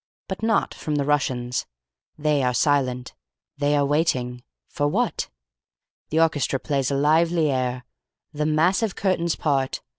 But not from the Russians. They are silent. They are waiting. For what? "The orchestra plays a lively air. The massive curtains part.